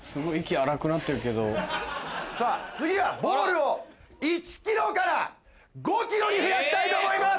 次はボールを１ｋｇから５ｋｇに増やしたいと思います。